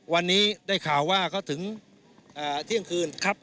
วันนี้ได้ข่าวว่าเขาถึงเที่ยงคืน